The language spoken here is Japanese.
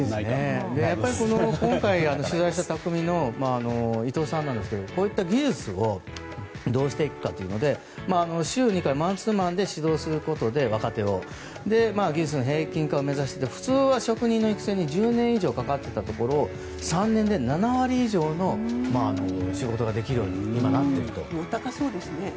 今回、取材したたくみの伊藤さんなんですがこういった技術をどうしていくかというので週２回、マンツーマンで若手を指導することで技術の平均化を目指して普通は若手の育成に１０年以上かかっていたところを３年で７割以上の仕事ができるように高そうですね。